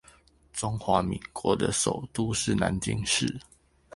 中華民國的首都是南京市